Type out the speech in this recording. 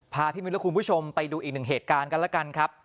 พาพี่มิ้นและคุณผู้ชมไปดูอีกหนึ่งเหตุการณ์กันแล้วกันครับ